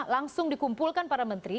langsung dikumpulkan para menteri